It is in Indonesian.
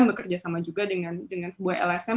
bekerja sama juga dengan sebuah lsm